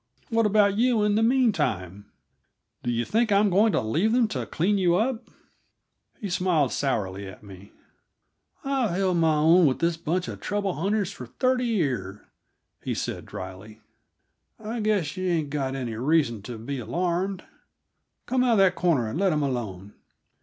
"What about you in the meantime? Do you think I'm going to leave them to clean you up?" He smiled sourly at me. "I've held my own with this bunch uh trouble hunters for thirty years," he said dryly. "I guess yuh ain't got any reason t' be alarmed. Come out uh that corner and let 'em alone."